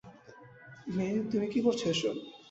মে, তুমি কী করছ এসব?